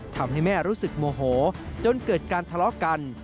ทำให้แม่รู้สึกโมโหจนเกิดการทะเลาะกัน